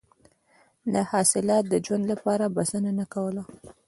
دا حاصلات د ژوند لپاره بسنه نه کوله.